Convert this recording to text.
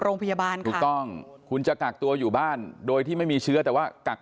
โรงพยาบาลค่ะถูกต้องคุณจะกักตัวอยู่บ้านโดยที่ไม่มีเชื้อแต่ว่ากัก